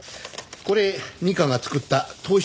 これ二課が作った投資